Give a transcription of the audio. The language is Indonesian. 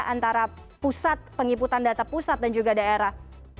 antara pusat pengiputan data pusat dan juga daerah